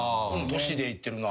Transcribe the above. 年でいってるな。